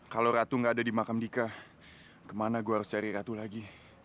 kalau ratu gak ada di makam dika kemana gue harus cari ratu lagi